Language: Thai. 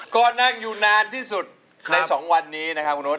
ก็นั่งอยู่นานที่สุดในสองวันนี้นะคะคุณโน้ท